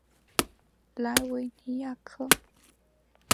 莱维尼亚克。